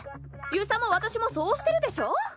遊佐も私もそうしてるでしょ。